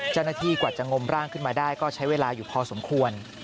เจ้าหน้าที่กว่าจะงมร่างขึ้นมาได้ก็ใช้เวลาอยู่พอสมควร